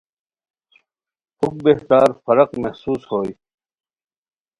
پُھک بہتر فرق محسوس ہوئے